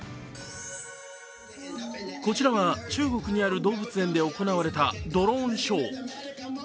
こちらは中国にある動物園で行われたドローンショー。